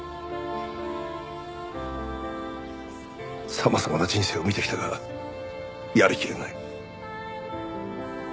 様々な人生を見てきたがやりきれない。